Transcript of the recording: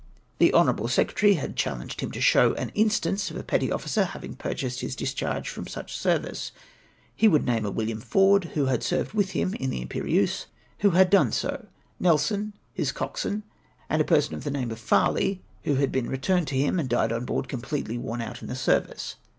"The honourable secretary had challenged him to show him an instance of a petty officer having purchased his dis charge from such service. He would name a "N^'illiam Ford, who had served with him in the Imperieuse, who had done MY REPLY TO MR. CROKER. 295 so, Nelson, his coxswain, and a person of the name of Farley, who had been returned to him and died on board completely worn out in the service.